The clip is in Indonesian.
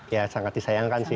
ya sangat disayangkan sih